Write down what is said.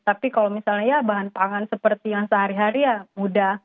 tapi kalau misalnya ya bahan pangan seperti yang sehari hari ya mudah